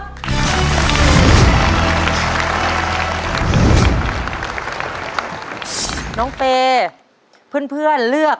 พอเชิญน้องเฟย์มาต่อชีวิตเป็นคนต่อไปครับ